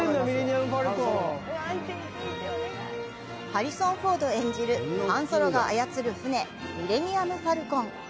ハリソン・フォード演じるハン・ソロが操る船、ミレニアム・ファルコン。